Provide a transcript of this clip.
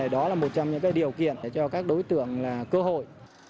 đó là một trong những điều kiện cho các đối tượng cơ hội